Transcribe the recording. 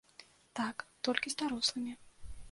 Так, толькі з дарослымі.